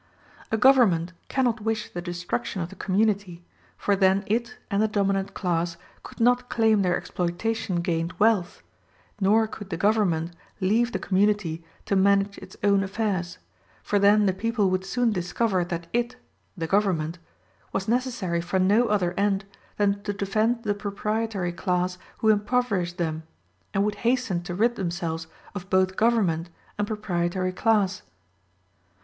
A government cannot wish the destruction of the community, for then it and the dominant class could not claim their exploitation gained wealth; nor could the government leave the community to manage its own affairs; for then the people would soon discover that it (the government) was necessary for no other end than to defend the proprietory class who impoverish them, and would hasten to rid themselves of both government and proprietory class.